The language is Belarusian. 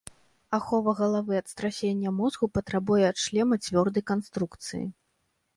Ахова галавы ад страсення мозгу патрабуе ад шлема цвёрдай канструкцыі.